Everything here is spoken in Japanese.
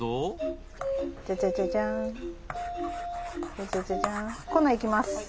水いきます。